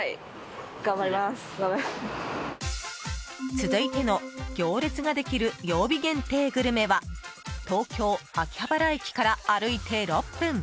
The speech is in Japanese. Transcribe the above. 続いての行列ができる曜日限定グルメは東京・秋葉原駅から歩いて６分。